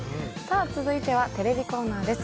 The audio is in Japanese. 続いてはテレビコーナーです。